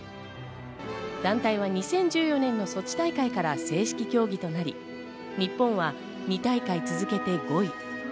団体は２０１４年のソチ大会から正式競技となり、日本は２大会続けて５位。